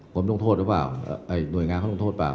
ผมต้องโทษหรือเปล่าหน่วยงานเขาลงโทษเปล